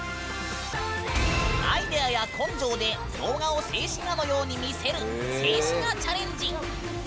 アイデアや根性で動画を静止画のように見せる「静止画チャレンジ」。